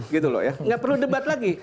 gitu loh ya nggak perlu debat lagi